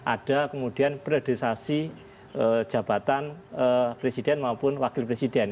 ada kemudian priorisasi jabatan presiden maupun wakil presiden